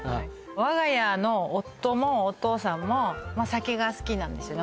我が家の夫もお父さんも酒が好きなんですよね